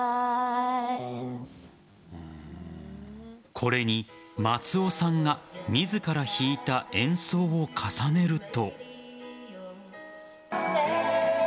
これに松尾さんが自ら弾いた演奏を重ねると。